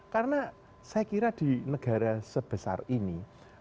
karena saya kira di negara sebesar ini